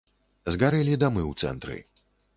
Згарэлі дамы ў цэнтры.